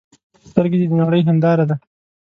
سترګې د نړۍ هنداره ده